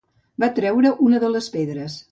Va treure una de les pedres.